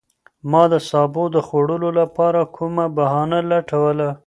ما د سابو د خوړلو لپاره کومه بهانه لټوله.